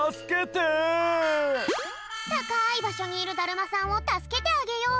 たかいばしょにいるだるまさんをたすけてあげよう。